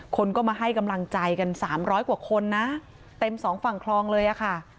คนก็มาให้กำลังใจกันสามร้อยกว่าคนนะเต็มสองฝั่งคลองเลยอะค่ะ